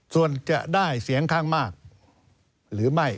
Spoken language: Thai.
ส่วนจะได้เสียงข้างมากหรือไม่